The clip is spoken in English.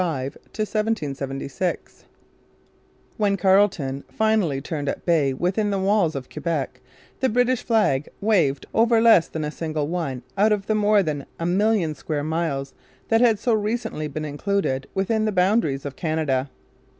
CHAPTER V BELEAGUERMENT 1775 1776 When Carleton finally turned at bay within the walls of Quebec the British flag waved over less than a single one out of the more than a million square miles that had so recently been included within the boundaries of Canada.